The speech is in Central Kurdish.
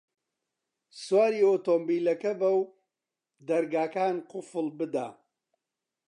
سواری ئۆتۆمبێلەکە بە و دەرگاکان قوفڵ بدە.